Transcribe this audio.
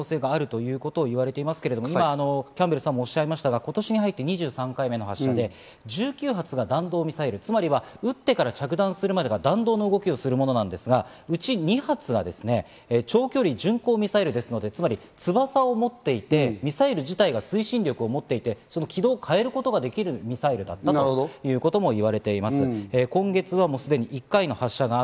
弾道ミサイルの可能性があるということがいわれていますが、今キャンベルさんもおっしゃいましたが、今年に入って２３回目の発射で、１９発が弾道ミサイル、つまり撃ってから着弾するまで弾道の動きをするものですが、うち２発は長距離巡航ミサイルですので、つまり翼を持っていて、ミサイル自体が推進力を持っていて、軌道を変えることができるミサイルだったということです。